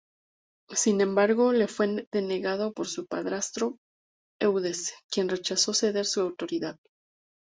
Sin embargo, le fue denegado por su padrastro Eudes, quien rechazó ceder su autoridad.